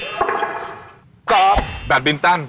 ตอบแบบบินตัน